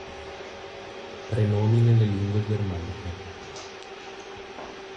Prenomi nelle lingue germaniche